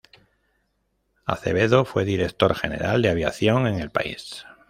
Acevedo fue director general de aviación en el país.